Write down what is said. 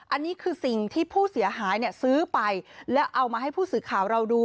อันนี้คือสิ่งที่ผู้เสียหายเนี่ยซื้อไปแล้วเอามาให้ผู้สื่อข่าวเราดู